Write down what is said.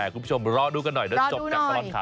คุณผู้ชมรอดูกันหน่อยแล้วจบจากตอนค่ะ